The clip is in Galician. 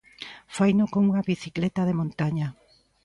Faino cunha bicicleta de montaña.